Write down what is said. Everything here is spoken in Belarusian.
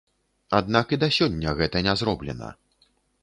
Аднак і да сёння гэта не зроблена.